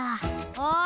おい。